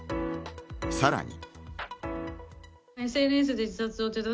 さらに。